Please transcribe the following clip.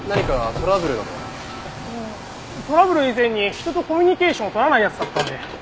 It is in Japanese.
トラブル以前に人とコミュニケーションを取らない奴だったんで。